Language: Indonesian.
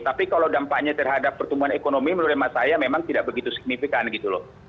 tapi kalau dampaknya terhadap pertumbuhan ekonomi menurut emak saya memang tidak begitu signifikan gitu loh